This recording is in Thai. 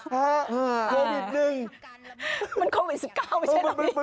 โควิดหนึ่งมันโควิดสิบเก้าไม่ใช่ตอนนี้